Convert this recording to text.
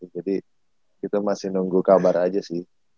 jadi kita masih nunggu kabar aja sih